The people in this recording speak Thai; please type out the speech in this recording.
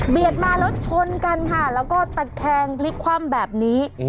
เบียดมารถชนกันค่ะแล้วก็ตะแคงพลิกความแบบนี้